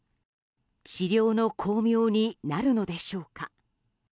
治療の光明になるのでしょうか。